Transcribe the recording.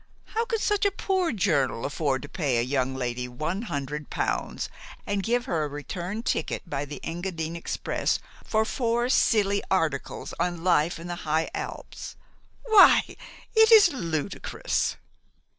How could such a poor journal afford to pay a young lady one hundred pounds and give her a return ticket by the Engadine express for four silly articles on life in the High Alps? Why, it is ludicrous!"